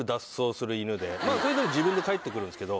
それでも自分で帰ってくるんですけど。